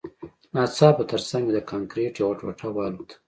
ناڅاپه ترڅنګ مې د کانکریټ یوه ټوټه والوته